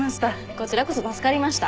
こちらこそ助かりました。